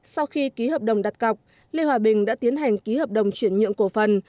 sau khi ký hợp đồng đặt cọc lê hòa bình đã tiến hành ký hợp đồng chuyển nhượng cổ phần